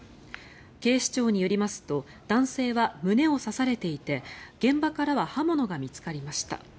警視庁によりますと男性は胸を刺されていて現場からは刃物が見つかりました。